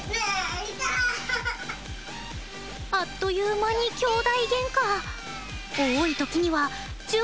あっという間にきょうだいゲンカ！